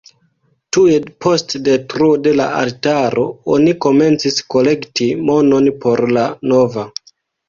Tuj post detruo de la altaro oni komencis kolekti monon por la nova.